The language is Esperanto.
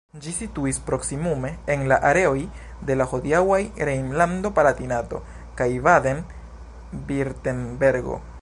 Ĝi situis proksimume en la areoj de la hodiaŭaj Rejnlando-Palatinato kaj Baden-Virtembergo.